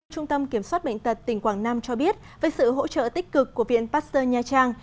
trung tâm kiểm soát bệnh tật tỉnh quảng nam cho biết với sự hỗ trợ tích cực của viện pasteur nha trang